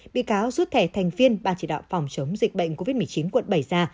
bị cáo rút thẻ thành viên ban chỉ đạo phòng chống dịch bệnh covid một mươi chín quận bảy ra